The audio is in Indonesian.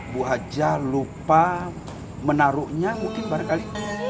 bu haja lupa menaruhnya mungkin barangkali